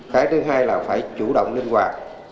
cái thứ hai là phải chủ động liên hoạt